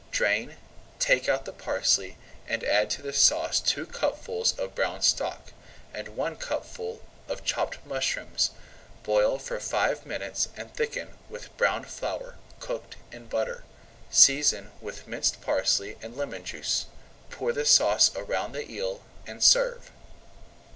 Drain, take out the parsley, and add to the sauce two cupfuls of brown stock, and one cupful of chopped mushrooms. Boil for five minutes and thicken with browned flour cooked in butter. Season with minced parsley and lemon juice, pour the sauce around the eel, and serve.